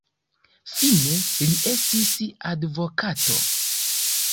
Fine li estis advokato.